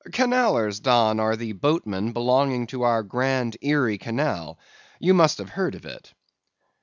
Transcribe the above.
"'Canallers, Don, are the boatmen belonging to our grand Erie Canal. You must have heard of it.